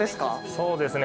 そうですね。